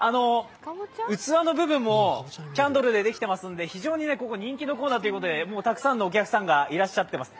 器の部分もキャンドルでできていますので、非常にここ、人気のコーナーということでたくさんのお客さんがいらっしゃってます。